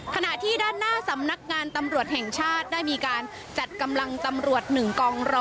ขณะที่ด้านหน้าสำนักงานตำรวจแห่งชาติได้มีการจัดกำลังตำรวจ๑กองรอ